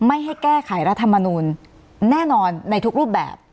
ไม่ให้แก้ไขรัฐมนูลแน่นอนในทุกรูปแบบ